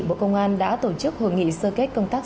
bộ công an đã tổ chức hội nghị sơ kết công tác